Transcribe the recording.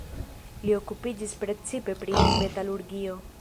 Li okupiĝis precipe pri metalurgio.